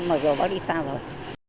mà bác đi xa rồi